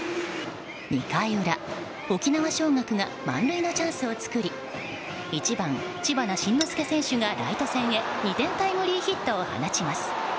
２回裏、沖縄尚学が満塁のチャンスを作り１番、知花慎之助選手がライト線へ２点タイムリーヒットを放ちます。